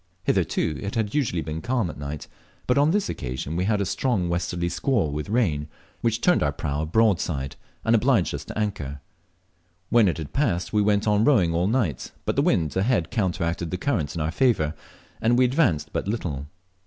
Hitherto it had usually been calm at night, but on this occasion we had a strong westerly squall with rain, which turned our prau broadside, and obliged us to anchor. When it had passed we went on rowing all night, but the wind ahead counteracted the current in our favour, and we advanced but little.